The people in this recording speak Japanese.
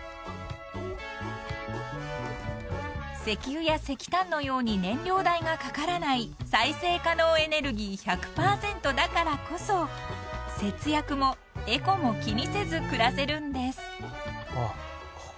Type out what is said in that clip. ［石油や石炭のように燃料代がかからない再生可能エネルギー１００％だからこそ節約もエコも気にせず暮らせるんです］